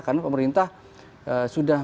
karena pemerintah sudah